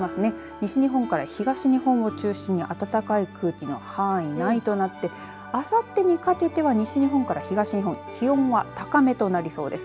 西日本から東日本を中心に暖かい空気の範囲内となってあさってにかけては西日本から東日本気温が高めとなりそうです。